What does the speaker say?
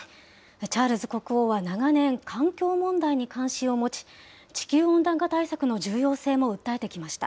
チャールズ国王は長年、環境問題に関心を持ち、地球温暖化対策の重要性も訴えてきました。